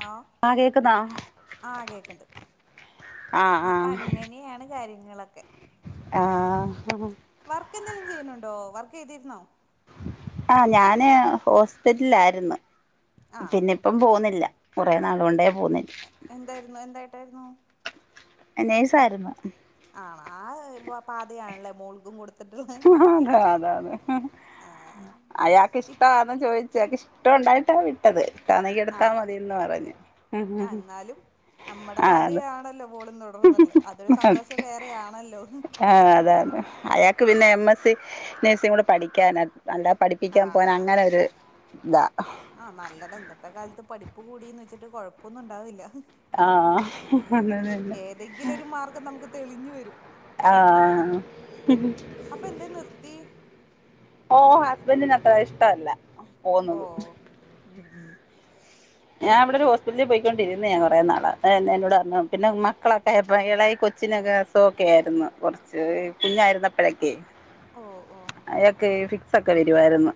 Hello ആ കേക്കുന്നോ ആഹ് കേക്ണ്ട് ആ ആ അപ്പൊ അങ്ങനെയാണ് കാര്യങ്ങളൊക്കെ ആഹ് വർക്കെന്തേലും ചെയ്യുന്നുണ്ടോ വർക്ക് ചെയ്തിരുന്നോ ആഹ് ഞാന് ഹോസ്പിറ്റലിലായിരുന്നു ആഹ് പിന്നെപ്പം പോവുന്നില്ല കുറേ നാളുകൊണ്ടേ പോകുന്നില്ല എന്തായിരുന്നു എന്തായിട്ടായിരുന്നു നേഴ്സായിരുന്നു ആ ആഹ് പാതയാണല്ലേ മോൾക്കും കൊടു അതെ അതെ അതെ ആഹ് അയാൾക്ക് ഇപ് ഇഷ്ടമാന്ന് ചോയിച്ച അയാക്ക് ഇഷ്ടം ഉണ്ടായിട്ടാ വി ട്ടത് വേണങ്കിൽ എടുത്താ ആഹ് മതിയന്ന് പറഞ്ഞ് ആഹ് എന്നാലും നമ്മടെ പാതയാണല്ലോ മോളും തുടർന്നിട്ടുള്ളത് അതൊരു സന്തോഷം വേറെ ആണല്ലോ ആഹ് അതെ അതെ അയാ ക്ക് പിന്നെ എം എസ് സി നേഴ്സി കൂടെ പഠിക്കാനാ അല്ലാ പഠിപ്പിക്കാൻ ആഹ് പോവാൻ ആഹ് അങ്ങനെ ഒരു ന്താ ആഹ് നല്ലതാ ഇന്നത്തെ കാലത്ത് പഠിപ്പ് കൂടീന്ന് വെച്ചിട്ട് കൊഴപ്പൊന്നും ഉണ്ടാവില്ല ആഹ് അതെ അതന്നെ എന്തെങ്കിലും ഒരു മാർഗം നമുക്ക് തെളിഞ്ഞു വരും ആഹ് അപ്പൊ എന്തേ നിർത്തി ഓഹ് ഹസ്ബന്റിന് അത്ര ഇഷ്ടമല്ല ഓ പോവുന്നത് ഞാവിടെ ഒരു ഹോ സ്പിറ്റലി പോയ്‌കൊണ്ടൊരുന്നെയാ കുറെേ നാള് പിന്നെ എന്നോട് പറഞ്ഞു പിന്നെ മക്കളൊക്കെ ആയപ്പൊ ഇളയ കൊച്ചിനൊക്കെ നോക്കായിരുന്നു കൊറച്ച് കുഞ്ഞായിരുന്നപ്പോഴൊക്കെ ഓഹ് ഓഹ് അയാക്ക് ഫിക്സ് ഒക്കെ വരുവായിരുന്നു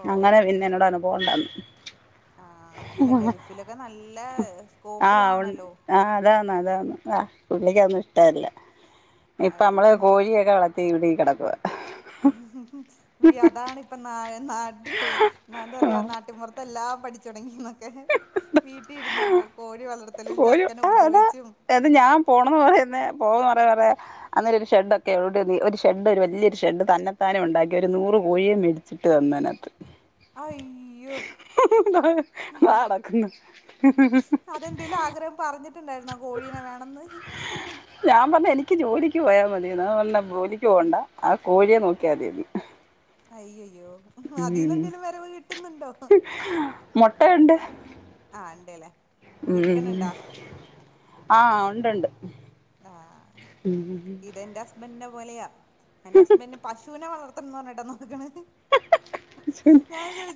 ഓ അങ്ങനെ പിന്നെ എന്നോട് പറഞ്ഞു പോണ്ടാന്ന് ലൊക്കെ നല്ല സ്കോപ്പുള്ളതാണല്ലോ ആഹ് അതാന്ന് അതാന്ന് ആഹ് പുള്ളിക്കതൊന്നും ഇഷ്ടല്ല ഇപ്പ അയ്യോ നമ്മള് കോഴിയൊക്കെ വള ടെയുംഇവിടെയും കിടക്കുക. ഉം ഹും വി അതാണ് ഇപ്പ നാ നാട്ടില് ന്നാഎന്താ പറയുക നാട്ടിപുറത്ത് എല്ലാം പഠിച്ചു തുടങ്ങിനൊക്കെ വീട്ടില് ഇരുന്നപ്പം കോഴി വളർത്തലും പോയോ ആ അതാ ചെക്കനെഉപദ്രവിച്ചും അത് ഞാൻ പോണംന്ന് പറയുന്നെ [unintelligible] പറയാൻ പറയാ അന്നേരം ഒരു ഷെഡ് ഒക്കെ [unintelligible] ഒരു ഷെഡ് ഒരു വലിയൊരു ഷെഡ് തന്നത്താനെഉണ്ടാക്കി ഒരു നൂറ് കോഴിയേ മേടിച്ചു ഇട്ട് തന്നതിനകത്ത്. അയ്യോ! അതെന്തേലും ആഗ്രഹം [unintelligible] പറഞ്ഞിട്ടുണ്ടായിരുന്നോ കോഴീനെ വേണംന്ന്? ഞാൻ പറഞ്ഞ് എനിക്ക് ജോലിക്ക് പോയാൽ മതി എന്ന അ പറഞ്ഞു ജോലിക്ക് പോണ്ട ആ കോഴിയെ നോക്കിയാൽ മതിന്ന്. അയ്യയ്യോ അതിന്ന് എന്തെങ്കിലും വരവ് കിട്ടുന്നുണ്ടോ? മുട്ട ഉണ്ട്. ആ ഉണ്ടേല്ലേ? ഉം ഹും ആ ഉണ്ടുണ്ട്. ആ ഇതെന്റെ ഹസ്ബന്റിന്റെ പോലെയാ എന്റെ ഹസ്ബന്റ്. പശൂനെ വളർത്തണന്ന് പറഞ്ഞിട്ടാ നോക്കണെ.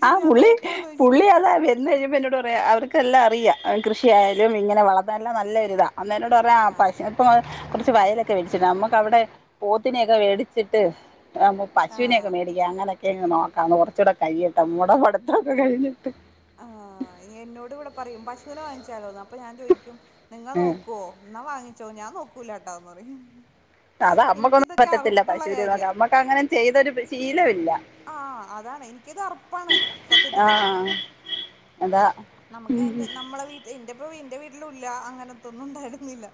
ആ ഞാൻ പുള്ളി, നോക്കോന്ന് ചോദിച്ചു പുള്ളി അതാ ഇന്ന് കഴിയുമ്പോൾ എന്നോട് പറയ അവർക്കെല്ലാംറിയാം കൃഷിയായാലും ഇങ്ങനെ വളർന്ന യെല്ലാം നല്ല ഒരുരിതാ. അന്നെന്നോട് പറഞ്ഞ ആ ആഹ് പശ അപ്പം കുറച്ച് വയലൊക്കെ മേടിച്ചിടാം. നമുക്ക് അവിടെ പോത്തിനെയൊക്കെ വേടിച്ചിട്ട്. പശുവിനെയൊക്കെ ആഹ് മേടിക്കാം അങ്ങനൊക്കെ അങ്ങ് നോക്കാംന്ന് കുറച്ചൂടെ കഴിയട്ടെ മോടെ പഠിത്തം ഒക്കെ കഴിഞ്ഞിട്ട്. [inaudible] ആ എന്നോട് ഇവിടെ പറയും പശുവിനെ വാങ്ങിച്ചാലോന്ന്. അപ്പൊ ഞാൻ ചോദിക്കും നിങ്ങ നോക്കുവോ എന്നാ വാങ്ങിച്ചോ ഞാൻ നോക്കൂലാട്ടോന്ന്പറയും. അതാ നമ്മക്കൊന്നും പറ്റത്തില്ല പശുനെ നോക്കാൻ നമ്മക്ക് അങ്ങനെ ചെയ്തൊരു ശീലമില്ല. ആ അതാണ് എനിക്കത് അറപ്പാണ് സത്യത്തില്. എന്താ. നമുക്ക് നമ്മടെ വീട്ടില് എന്റെ ഇപ്പഎന്റെ വീട്ടിലും ഇല്ല അങ്ങനത്തൊന്നും ഉണ്ടായിരുന്നില്ല.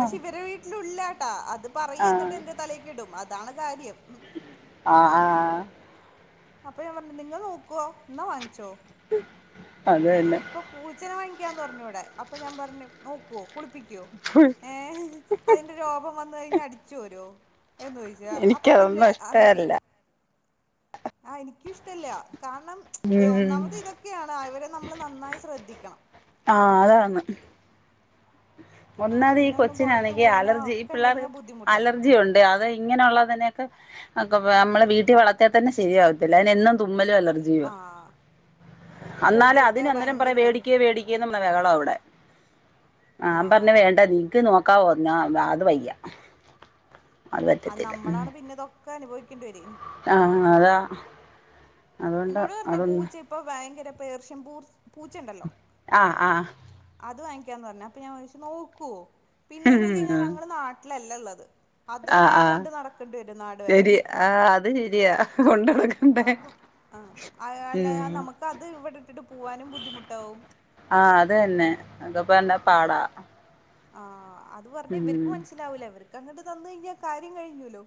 പക്ഷെ ഇവരെ വീട്ടിലും ഇല്ലാട്ട അത് പറയും ആഹ് എന്നിട്ട് എന്റെ തലേക്ക് ഇടും അതാണ് കാര്യം. ആ, ആ അപ്പൊ ഞാൻ പറഞ്ഞു നിങ്ങൾ നോക്കുവോ എന്നാ വാങ്ങിച്ചോ. അത് തന്നെ. ഇപ്പോ പൂച്ചനെ വാങ്ങിക്കാം എന്ന് പറഞ്ഞു ഇവിടെ അപ്പോൾ ഞാൻ പറഞ്ഞു നോക്കുവോ കുളിപ്പി ക്കുവോ ഏ അതിന്റെ രോമം വന്ന കഴിഞ്ഞ അടിച്ചു കോരുവോ? എന്ന് ചോദിച്ചു അപ്പൊ പിന്നെ. എനിക്കതൊന്നും ഇഷ്ടല്ല ആ എനിക്ക് ഇഷ്ടല്ല കാരണം ഉം ഒന്നാമത് ഇതൊക്കെയാണ് അവരെ നമ്മ നമ്മള് നന്നായി ശ്രദ്ധിക്കണം. ആ അതാണ്. ആ ഒന്നാത് ഈ പിന്നെ ഒന്നും പുറത്തു കൊച്ചിനാണെങ്കി പോകാനോ അലർജി ഈ ഒക്കെ പിള്ളേർക്ക് ഉണ്ടെങ്കിൽ ബുദ്ധിമുട്ടാവും അലർജിയുണ്ട് അത് ഇങ്ങനെയുള്ള. നെയൊക്കെ നമ്മളെ വീട്ടിൽ വളർത്തിയാൽ തന്നെ ശരിയാവത്തില്ല. അതിന് എന്നും തുമ്മലും അലർജി ജിയുവാ, ആഹ് എന്നാല് പൊടിയൊക്കെ അതിന് അന്നേരം പറയാ വേടിക്ക് ഭയങ്കരായിരിക്കും വേടിക്ക് പറഞ്ഞ് ബഹളാ ഇവിടെ. ആഹ്. നിങ്ങക്ക് നോക്കാവോറഞ്ഞ അത് വയ്യ. അത് പറ്റത്തില്ല ഉം നമ്മളാണ് പിന്നെ ഇതൊക്കെ അനുഭവിക്കേണ്ടി വര. ആ അതാ അതോണ്ട അതൊന്ന്. ഇപ്പോ ഭയങ്കര പേർഷ്യൻ പൂ പൂച്ചയുണ്ടല്ലോ? ആഹ്, ആഹ്. അത് വാങ്ങിക്കാന്ന് പറഞ്ഞ് അപ്പൊ ഞാൻ ചോദിച്ചു നോക്കുവോ പിന്നെന്ന് വെച്ച്കഴിഞ്ഞാൽ ഞങ്ങടെ നാട്ടില് ലല്ല ഉള്ളത്. ആ അതിനെയും ആ കൊണ്ട് നടക്കണ്ടി വരും നാട് വരെ ശരി ആ അത് ശരിയാ കൊണ്ട് നടക്കണ്ടേ അപ്പം. ആ അ അല്ല ഉം നമുക്ക് അത് ഇവിടെ ഇട്ടിട്ട് പൂവാനും ബുദ്ധിമുട്ടാവും. ആഹ് അത് തന്നെ അതപ്പ എന്താ പാടാ. ആഹ് അത് പറഞ്ഞ ഇവർക്ക് ഉം മനസ്സിലാവൂല ഇവർക്ക് അങ്ങോട്ട് തന്ന് കഴിഞ്ഞാ കാര്യം കഴിഞ്ഞൂല്ലോ.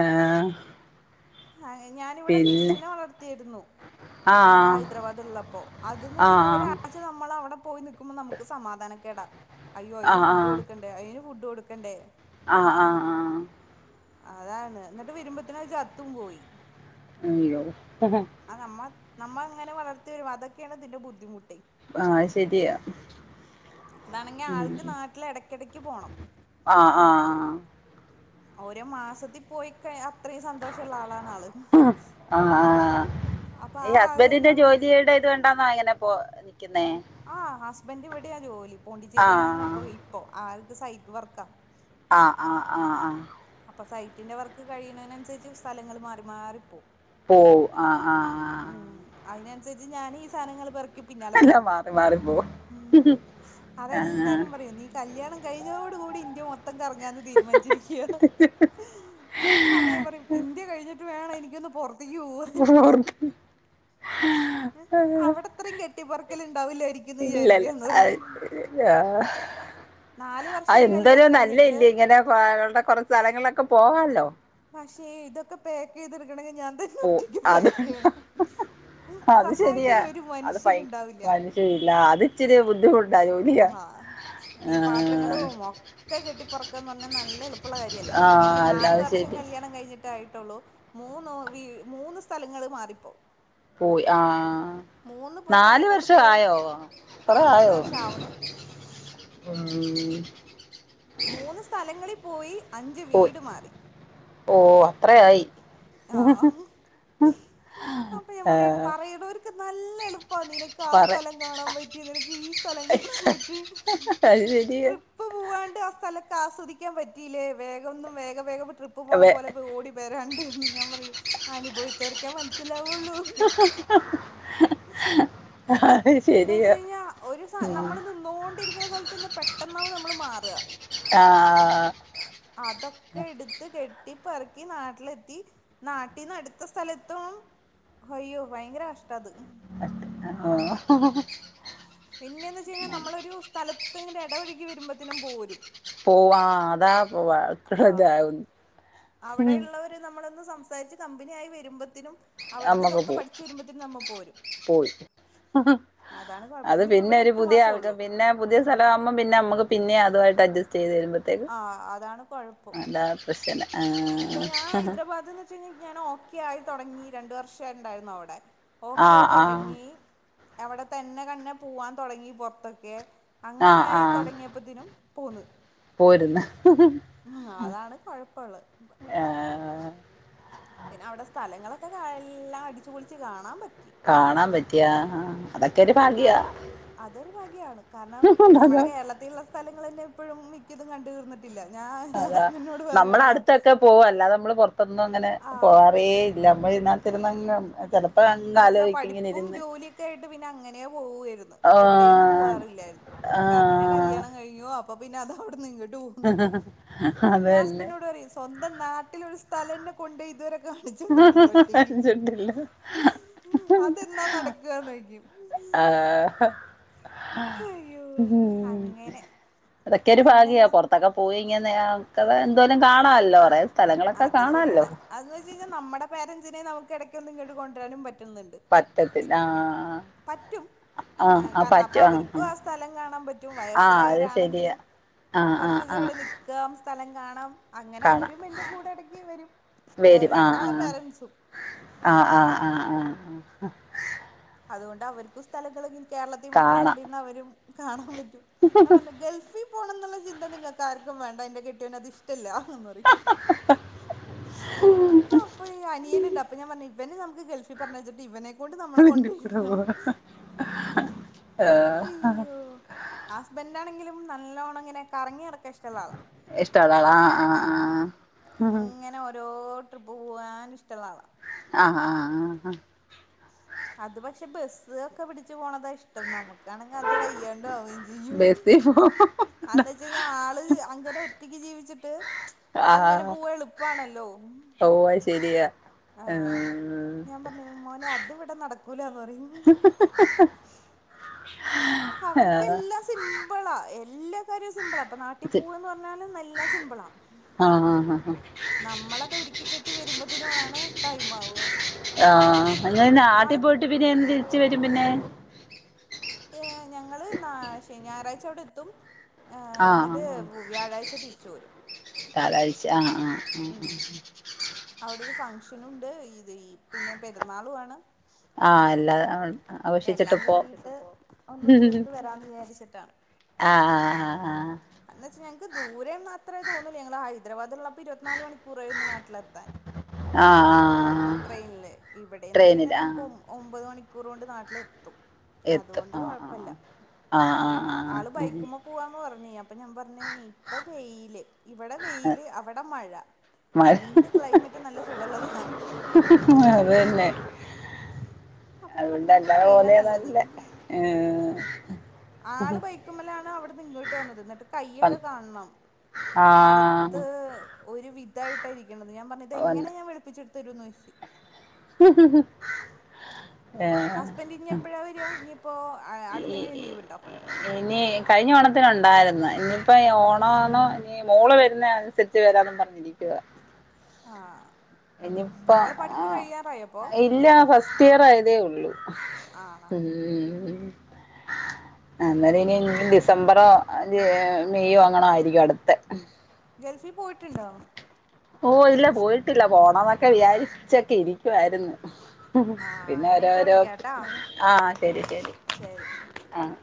ആഹ്. ഞാനിവിടെ പിന്നെ ഫിഷിനെ വളർത്തിയിരുന്നു. ഞാൻ ആഹ് ഹൈദരാബാദ് ഉള്ളപ്പോ അത് ന് വെച്ചഴിഞ്ഞാൽ ആഹ് ഒരാഴ് ഒരാഴ്ച നമ്മളവിടെ പോയി നിക്കുമ്പോ നമുക്ക് സമാധാന കേടാ അയ്യോ അതിന് ആഹ് ഫുഡ് കൊടുക്കണ്ടേ. അതിന് ഫുഡ് കൊടുക്കണ്ടേ. ആ, ആ, ആ. അതാണ് ന്ന്ട്ട് വരുമ്പത്തിനഅത് ചത്തുംപോയി. അയ്യോ. ആ നമ്മ നമ്മൾങ്ങനെ വളർത്തിവരും അതൊക്കേണ് ഇതിന്റെ ബുദ്ധിമുട്ടയ്. ആഹ് ശരിയാ അതാണെങ്കി ഉം ആൾക്ക് നാട്ട്ല് എടക്കേടക്ക് പോണം. ആഹ് ആഹ്. ഓരോ മാസത്തി പോയിക്ക അത്ര്യം സന്തോഷള്ള ആളാണ് ആള്. ആഹ് അപ്പൊ ഈ ആ ആള് ഹസ്ബന്റിന്റെ ഞാൻ ജോലിയുടെ ഇത് എവടന്നാ ഇങ്ങനെ പോ നിക്കുന്നേ? ആഹ് ഹസ്ബൻഡ് ഇവടെയാ ജോലി പോണ്ടിച്ചേരീലാണ് ആഹ് ഇപ്പ ഇപ്പൊ ആൾക്ക് സൈറ്റ് വർക്കാ. ആഹ് ആഹ് ആഹ് ആഹ്. അപ്പൊ സൈറ്റിന്റെ വർക്ക് കഴിയ്ണെനൻസര്ച്ച് സ്ഥലങ്ങള് മാറി മാറിപ്പോ പ്പോവും ആഹ് ആഹ് ആഹ്. അയ്നൻസര്ച്ച് ഞാനീ സാനങ്ങള് പെർക്കി എല്ലാം പിന്നാലപോണം മാറി മാറി പോവും ഉം ആഹ് അതെല്ലാരും പറയും നീ കല്യാണംകഴിഞോട് കൂടി ഇന്ത്യ മൊത്തം കറങ്ങാന്ന് തീര്മാൻച്ചിരിക്യാ. ഉ അപ്പഞാംപറയും ഇന്ത്യ കഴിഞ്ഞിട്ട് വേണം എനിക്കൊന്ന് പോർ [unintelligible] അവടത്രിം കെട്ടിപ്പർക്കല്ണ്ടാവില്ലേയ്രിക്കുംന്ന് വിചാരിക്കാന്ന്റയും. വർഷമായി കല്യാണം കഴിഞ്ഞിട്ട് എന്താലുംനല്ലഎല്ലേ ഇങ്ങനെപാടെ കൊർ സ്ഥലങ്ങൾളക്ക പോവാല്ലോ. പക്ഷേ ഇതൊക്ക പാക്കീതെട്ക്കണെങ്കി ഞാൻതന്നെ പോ ഒറ്റക്ക് അത് പാക്കിയ്യണം. അത് ശരിയാ സഹായത്തിന് ഒര് അത് ഭയ മനുഷ്യന്ണ്ടാവില്ല്യ മനുഷ്യരില്ല അത് ഇച്ചിരി ബുദ്ധിമുട്ടാ ജോലിയാ അഹാ ഈ ആ, പാത്രങ്ങളും ഒക്കെ കെട്ടിപ്പറക്കാന്ന് പർഞ്ഞാ നല്ലേഎളു ആഹ് അല്ലാതെ ശെരി കല്യാണം കഴിഞ്ഞിട്ടായിട്ടോള്ളൂ മൂന്നോ വീ മൂന്ന് സ്ഥലങ്ങള് മാറിപ്പോ പോയി ആഹ്. മൂന്ന് ന്നാല് സ്ഥലങ്ങളിൽ പോയി വർഷവായോ ആ കൊറെ നാല് ആയോ? വർഷം ആവണു ഉം. മൂന്ന് സ്ഥലങ്ങളിപോയി അഞ്ച് വീട് മാറി. ഓഹ് അത്രയായി. ആഹ്, അപ്പൊ ആ, ഞാംപറയും പറയുനോര്ക്ക് നല്ലഎളു അപ്പ നിനക്ക് ആ പറ സ്ഥലം കാണാംപറ്റി നിനക്ക് ഈ സ്ഥലംകാണാം പറ്റി അത് ശരിയാ ട്രി സ്ഥലക്ക ആസ്വദിക്കാം പറ്റീലേ വേഗൊന്നും വേഗ വേഗംപ്പോ ട്രിപ്പ്പോണ വെ പോലെപ്പ ഓടി വരാണ്ട് എന്ന് ഞാൻപറയും അനുഭവിച്ചവർക്കേ മൻസ്സിലാവ്ള്ളൂ ആ എന്ന് വച്ചയ്ഞ്ഞാ ഒരു സാ നമ്മള് ന്ന്ന്നോണ്ടിരിക്ക്ണ സൽത്ത്ന്ന് പെട്ടെന്നാവും നമ്മള്മാറ്. ആഹ്. ആഹ് അതൊക്കെ ഇട്ത്ത് കെട്ടിപ്പറ്ക്കി നാട്ട്ലെത്തി നാട്ടീന്ന് അട്ത്തസ്ഥലത്തും അയ്യോ ഭയങ്കരകഷ്ടാ അത്. [unintelligible] പിന്നെന്ന് വച്ച്കയ്ഞ്ഞാ നമ്മളൊരു സ്ഥലത്ത്ങ്ങട് എടവഴുകി വരുമ്പത്തിനും പോരും. പോവാ ആഹ് അതാ പോവാ ഇത്രജാ ആഹ് അവിടെയുള്ളവര് നമ്മളൊന്ന് സംസാരിച്ച് കമ്പനിയായി വരുമ്പത്തിനും നമ്മക്ക് അവട്ത്തതൊക്ക പോ പഠിച്ച് വരുമ്പത്തിനും നമ്മപോരും പോയി അതാണ് കൊഴ ഇപ്പ ഇവിടെ എട്ട് മാസോള്ളൂ പിന്ന പുതിയ സ്ഥല ആകുമ്പോൾ പി നമുക്ക് പിന്നെ അതുമായിട്ടഡ്ജസ്റ്റ് ചെയത് തരുമ്പോം ആഹ് അതാണ് കൊഴപ്പം എന്താ പ്രശ്ന ഇപ്പൊ ഞാൻ ഹൈദരാബാദ് എന്ന് വെച്ച് കഴിഞ്ഞാ ഞാൻ ഓക്കെ ആയി തുടങ്ങി രണ്ട് വർഷംണ്ടായിരുന്നു അവിടെ ഓക്കെ ആഹ് ആഹ് തുടങ്ങി അവിടെ തന്നെ കണ്നേ പോവാൻ തൊടങ്ങി പൊറത്തൊക്കെ ആഹ് അങ്ങനായി തുടങ്ങിയപ്പോതിനും പോന്ന് പോര്ന്ന് ഉം അതാണ് കൊഴപ്പള്ളത് ആഹ് പിന്നെ അവിടെ സ്ഥലങ്ങളൊക്കെ ക എല്ലാം അടിച്ചുപൊളിച്ച് കാണാൻ പറ്റി കാണാൻ പറ്റിയ ആഹാ അതൊക്കെ ഒരു പിന്നെ ഭാഗ്യാ അതൊരു ഭഗ്യാണ് കാരണം നമ്മുടെ കേരളത്തിലുള്ള സ്ഥലങ്ങൾ തന്നെ എപ്പോഴും മിക്കതും കണ്ട തീർന്നിട്ട് ട്ടില്ല ഞാൻ ഹസ്ബൻറിനോട് പറയണതാ പോവല്ലാത നമ്മള് പുറത്തൊന്നും അങ്ങനെ ആഹ് പോകറേ ഇല്ല നമ്മ ഞാൻ ചെല്ലുമ്പോ അങ്ങ് ചെല എന്ന് വെച്ചാൽ പഠിപ്പും ജോലിയൊക്കെ ആയിട്ട് പിന്നെ അങ്ങനെ പോവായിരുന്നു എവിടെയും ആഹ് പോവാറില്ലായിരുന്നു അ പിന്നെ കല്യാണം ആഹ് കഴിഞ്ഞോ അപ്പൊ പിന്നെ അത അവിടെ ന്ന് ഇങ്ങട് ട്ടു പോന്നു അത് ഞാൻ ഹസ്ബൻഡ്നോട് പറയോയ് സ്വന്തം നാട്ടില് വഒരു സ്ഥലെന്നെ കൊണ്ടോയി ഇതുവരെ കാണിച്ചു തന്നിട്ടില്ല ഒറ്റയ്ക്ക് ഡ്രില്ല അതെന്നാ നടക്കാന്നോയിക്കും ആഹ് അയ്യോ ഉം അങ്ങനെ അതൊക്കെ ഒരു ഭാഗ്യാ പിന്നെന്താ പൊറത്തൊക്കെ പോയി ഇങ്ങനെ ക്ക എന്തോലും കാണാല്ലോ അവടെ അത് ശെരിയാണ് അതന്ന് വെച്ച് കഴിഞ്ഞാൽ നമ്മുടെ പാരൻറ്സിനെ നമുക്ക് ഇടയ്ക്കൊന്നു ഇങ്ങോട്ട് കൊണ്ടുവരാനും പറ്റുന്നുണ്ട് പറ്റത്തില്ല ആ ആഹ് പറ്റും ആ ആഹ് ആഹ് കാരണം അപ്പൊ പറ്റും ആഹ് അവർക്കും ആ സ്ഥലം കാണാൻ പറ്റും ആഹ് ആഹ് അത് ശരിയാ വയസ്സായവരാണെങ്കിലും ആഹ് കുറച്ച് ആഹ് ദിവസം ആഹ് ഇവിടെ നിക്കാം സ്ഥലം കാണാം അങ്ങനെ കാണാം അവരും എൻ്റെ കൂടെ എടക്ക് വരും വരും ആഹ് രണ്ടാളെ ആഹ് പേരൻറ്സും ആഹ് ആഹ് ആഹ് ആഹ് അതുകൊണ്ട് അവർക്കും സ്ഥലങ്ങള് കേരളത്തിൽ മാത്രം കാണാം കണ്ടിരുന്ന അവരും കാണാൻ പറ്റും ആ പറഞ്ഞ് ഗൾഫിൽ പോണം ന്നുള്ള ചിന്ത നിങ്ങൾക്കാർക്കും വേണ്ട എന്റെ കെട്ടിയവന് അത് ഇഷ്ടമല്ല ന്ന് പറിം ആഹ് ഫുൾ അപ്പൊ അനിയന് ഉണ്ട് അപ്പ ഞാൻ പർഞ്ഞു ഇവനെനമക്ക് ഗൾഫിൽ പറഞ്ഞയച്ചിട്ട് ഇവനെ കൊണ്ട് നമ്മൾ ൻ്റെ കൂടെ അല്ലോഹ് ആഹ് അയ്യോ ഹസ്ബൻഡ് ആണെങ്കിലും നല്ലോണങ്ങനെ കറങ്ങി നടക്കാൻ ഇഷ് ഷ്ടള്ള ആളാ ഇഷ്ടാള്ള ആളാ ആഹ് ആ ആഹ് ഇങ്ങനെ ഓരോ ട്രിപ്പ് പോവാൻ ഇഷ്ട്ടള്ള ആളാ ആഹ് ആഹ് ആഹ് ആ അത് പക്ഷെ ബസ് ഒക്കെ പിടിച്ച് പോണതാ ഇഷ്ടം നമുക്കാണെങ്കിൽ അത് വയ്യാണ്ടാവ യും ബസി പോ അന്ന് വച്ച കഴിഞ്ഞാൽ ആള് അങ്ങനെ ഒറ്റയ്ക്ക് ജീവിച്ചിട്ട് അങ്ങനെ ആഹ് പൂവാ എളുപ്പാണല്ലോ ആഹ് എം ഞാൻ പറഞ്ഞു മോനെ അത് ഇവടെ നടക്കൂലാന്ന് പറയും. അവർക്ക് ആഹ് എല്ലാം സിമ്പിളാ എല്ല കാര്യോ സിമ്പിള. അപ്പൊ നാട്ടി പോവാന്ന് പറഞ്ഞാലും നല്ല സിമ്പിളാ. ആഹ് ആഹ് നമ്മള് അതൊരുക്കി കെട്ടി വരുമ്പോതിനു ആണ് ടൈം ആവ. ആഹ് അങ്ങനെ നാട്ടി പോയിട്ട് പിന്നെ എന്ന് തിരിച്ച് വരും. പിന്നെ ഏ ഞങ്ങള് നാ ശെ ഞായറാഴ്ച അവിടെ എത്തും. ഏഹ് ആഹ് എന്നിട്ട് ആഹ്. വ്യാഴാഴ്ച തിരിച്ചു പോരും ഞാറാഴ്ച്ച. ആഹ്. ആ ഉം അവിടെ ഒരു ഫംഗഷനുണ്ട്. ഇത് ഈ പിന്നെ പെരുന്നാളു ആണ്. ആ എല്ല എല്ലാം കൂടിട്ട് ഒന്ന് തീർത്ത് വരാന്ന് വിചാരിച്ചിട്ടാണ്. ആഹ്. ആഹ്. ആഹ്. ആഹ് എന്ന്ച്ചാ ഞങ്ങക്ക് ദൂരേന്നും അത്രേ തോന്നൂല്ല. ഞങ്ങള് ഹൈദരാബാദു ഇള്ളപ്പൊ ഇരുപത്ത്നാല് മണിക്കൂറാ യിരുന്നു നാട്ടിലെത്താൻ. ആഹ് ആഹ് ആഹ് ട്രെയിൻല് ഇവിടേന്ന് വച്ച് കഴിഞ്ഞാ ട്രെയിനിൽ നമുക്കൊ ആഹ് ഒമ്പത് മണിക്കൂറോണ്ട് നാട്ടിലെത്തും. അതു എത്തും കൊണ്ട് ആഹ് കൊഴപ്പല്ല. ആഹ് ആഹ് ആഹ് ആള് ആഹ് ആഹ് ബൈക്ക്മ്മ പൂവാന്ന് പറഞ്ഞ്. അപ്പൊ ഞാൻ പറഞ്ഞ് ഇപ്പ വെയില് ഇവിടെ വെയില്. അവിടെ മഴ. മഴ രണ്ട് ക്ലൈമറ്റും നല്ല സുഖള്ളത അതെന്നെ. അപ്പൊ ഞാൻ പറഞ്ഞു നമുക്ക് അതുകൊണ്ട്അല്ലാതെ ട്രെയിനാ പോന്നെയാ നല്ലത് നല്ലെ ക്കുമ്മലാണ് അവിട്ന്ന് ഇങ്ങോട്ട് വന്നത്. എന്നിട്ട് കയ്യൊക്കെ കാണണം. ആഹ് കറുത്ത് ഒരു വിധായിട്ട ഇരിക്ക്ണത്. ഞാൻ പറഞ്ഞ് ഇതെങ്ങനെ വന്ന് ഞാൻ വെ ളുപ്പിച്ച് ഇടുത്തെരും ന്ന് ചോയ്ച്ച്. ഹസ്ബൻഡറ് ഏഹ് ഇനി എപ്പഴാ വര. ഇനിയിപ്പോ അടുത്തെ എങ്ങനും ലീവ് ഇണ്ടോ? ഇനി കഴിഞ്ഞ ഓണത്തിന് ഒണ്ടായിരുന്നു ഇനിയിപ്പോ ഓണൊന്നൊ മോള് വരുന്നെ അനുസരിച്ച് വരാന്നും പറഞ്ഞിരിക്കുവ. ആഹ്. ഇനിപ്പ അവളെ പഠിപ്പ് ആഹ്. കഴിയാറായപ്പോ ഇല്ല. ഫസ്റ്റ് ഇയർ ആയതേ ഒള്ളു. ആണോ ഉം ഇന്നാല് ഇനി ഡിസംബറോ മെയോ അങ്ങണോ ആയിരിക്കും അടുത്തെ ഗൾഫി പോയിട്ടുണ്ടോ? ഓഹ് ഇല്ല. പോയിട്ടില്ല. പോണോന്നൊക്കെ വിചാരിച്ചൊക്കെ ഇരിക്ക്യുവായിരുന്ന്. ആഹ് പിന്നെ ഞാൻ ഇപ്പ ഓരോരോ. വിളിക്കാട്ടോ ആഹ്. ശെരി ശെരി ശരി ആഹ്.